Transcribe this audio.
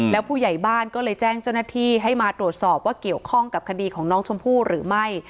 แล้วผู้ใหญ่บ้านก็เลยแจ้งเจ้าหน้าที่ให้มาตรวจสอบว่าเกี่ยวข้องกับคดีของน้องชมพู่หรือไม่